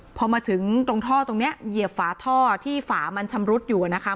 พอมาถึงตรงท่อตรงนี้เหยียบฝาท่อที่ฝามันชำรุดอยู่นะคะ